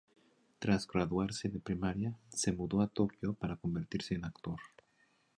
Tras graduarse de primaria, se mudó a Tokio para convertirse en actor.